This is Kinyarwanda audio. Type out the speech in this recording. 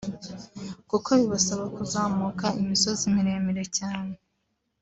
kuko bibasaba kuzamuka imisozi miremire cyane